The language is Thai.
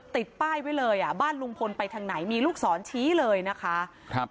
ติดป้ายไว้เลยอ่ะบ้านลุงพลไปทางไหนมีลูกศรชี้เลยนะคะครับ